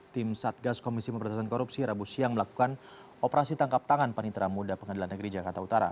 tim satgas komisi pemberantasan korupsi rabu siang melakukan operasi tangkap tangan panitra muda pengadilan negeri jakarta utara